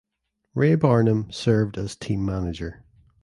Ray Barnum served as team manager.